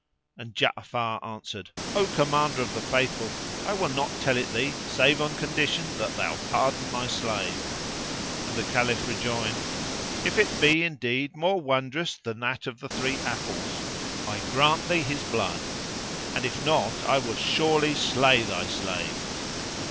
And Ja'afar answered, "O Commander of the Faithful, I will not tell it thee, save on condition that thou pardon my slave;" and the Caliph rejoined, "If it be indeed more wondrous than that of the three apples, I grant thee his blood, and if not I will surely slay thy slave."